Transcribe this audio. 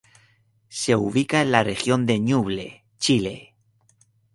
Se ubica en la Región de Ñuble, Chile.